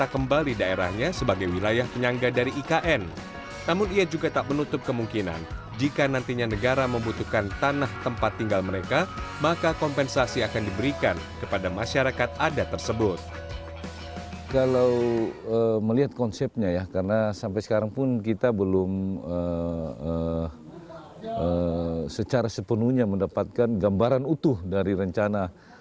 kepala masyarakat adat suku pasar balik sibukdin menerima penghargaan dari kepala masyarakat adat suku pasar balik sibukdin